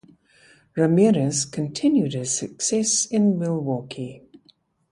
Ramirez continued his success in Milwaukee.